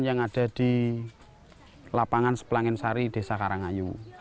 yang ada di lapangan sepelangen sari desa karangayu